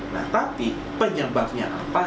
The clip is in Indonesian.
nah tapi penyebabnya apa